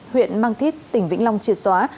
huyện mang thít tỉnh vĩnh long triệt xóa